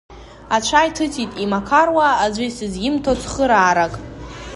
Ацәа иҭыҵит имақаруа, аӡәы исызимҭо цхыраарак.